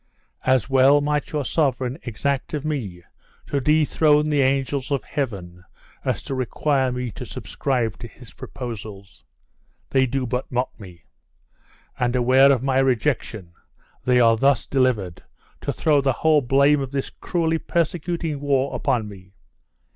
As well might your sovereign exact of me to dethrone the angels of heaven, as to require me to subscribe to his proposals. They do but mock me; and aware of my rejection, they are thus delivered, to throw the whole blame of this cruelly persecuting war upon me.